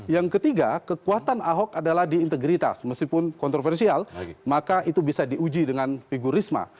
yang ketiga kekuatan ahok adalah di integritas meskipun kontroversial maka itu bisa diuji dengan figur risma